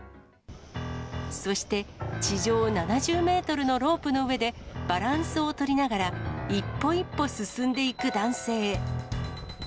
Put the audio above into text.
そして地上７０メートルのロープの上で、バランスを取りながら、一歩一歩進んでいく男性。